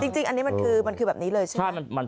จริงอันนี้มันคือมันคือแบบนี้เลยใช่ไหม